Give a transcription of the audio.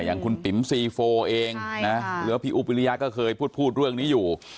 อย่างคุณปิ๋มซีโฟเองนะหรือว่าพี่อุ๊บวิริยาก็เคยพูดเรื่องนี้อยู่